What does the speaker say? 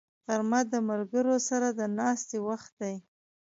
غرمه د ملګرو سره د ناستې وخت دی